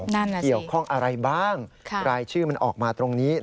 นั่นแหละสิค่ะค่ะรายชื่อมันออกมาตรงนี้